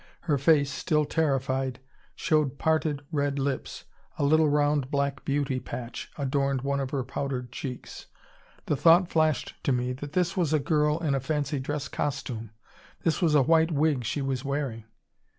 Her face, still terrified, showed parted red lips; a little round black beauty patch adorned one of her powdered cheeks. The thought flashed to me that this was a girl in a fancy dress costume. This was a white wig she was wearing!